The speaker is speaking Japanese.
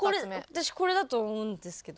私これだと思うんですけど。